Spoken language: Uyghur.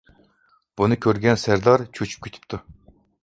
بۇنى كۆرگەن سەردار چۆچۈپ كېتىپتۇ.